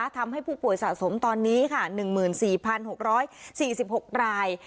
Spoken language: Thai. ทำให้ผู้ป่วยสะสมตอนนี้ค่ะ๑๔๖๔๖ราย